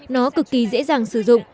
nó cực kỳ dễ dàng sử dụng